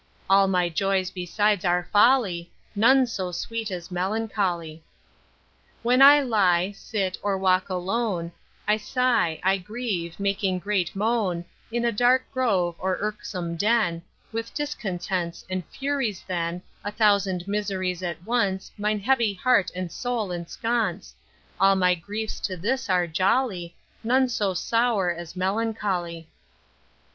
All my joys besides are folly, None so sweet as melancholy. When I lie, sit, or walk alone, I sigh, I grieve, making great moan, In a dark grove, or irksome den, With discontents and Furies then, A thousand miseries at once Mine heavy heart and soul ensconce, All my griefs to this are jolly, None so sour as melancholy.